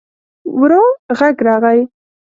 ورو غږ راغی.